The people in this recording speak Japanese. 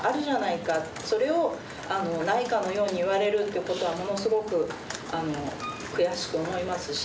それをないかのように言われるということはものすごく悔しく思いますし。